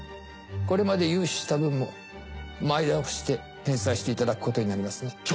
これまで融資した分も前倒しで返済していただくことになりますね。